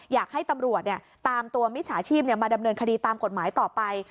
อยากให้ตำรวจตามตัวมิจฉาชีพมาดำเนินคดีตามกฎหมายต่อไป